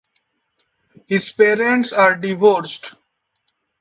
His parents are divorced.